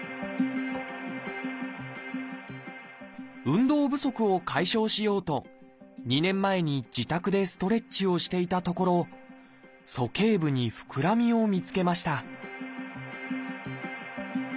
運動不足を解消しようと２年前に自宅でストレッチをしていたところ鼠径部にふくらみを見つけました